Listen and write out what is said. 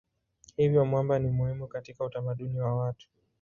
Hivyo mwamba ni muhimu katika utamaduni wa watu.